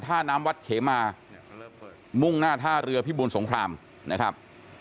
ท่าน้ำวัดเขมามุ่งหน้าท่าเรือพิบูรสงครามนะครับ